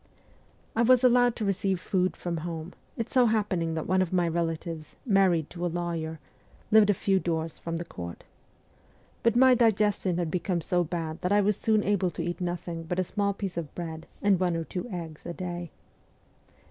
I was allowed to receive food from home, it so happening that one of my relatives, married to a lawyer, lived a few doors from the court. But my diges tion had become so bad that I was soon able to eat nothing but a small piece of bread and one or two eggs a day.